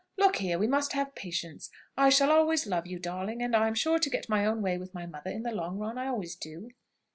Look here, we must have patience! I shall always love you, darling, and I'm sure to get my own way with my mother in the long run; I always do."